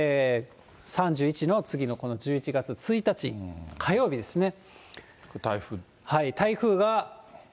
３１の次のこの１１月１日火曜日ですね。